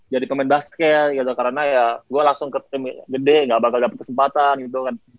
jadi pemain basket gitu karena ya gue langsung gede gak bakal dapet kesempatan gitu kan